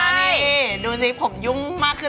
นี่ดูสิผมยุ่งมากขึ้น